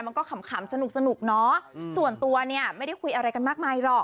มันก็ขำสนุกเนาะ